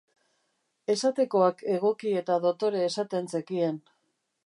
Esatekoak egoki eta dotore esaten zekien.